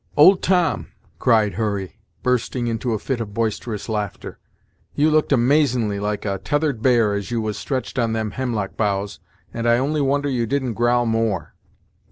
"Old Tom!" cried Hurry, bursting into a fit of boisterous laughter, "you look'd amazin'ly like a tethered bear, as you was stretched on them hemlock boughs, and I only wonder you didn't growl more.